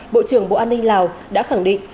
bộ trưởng bộ an ninh lào đã khẳng định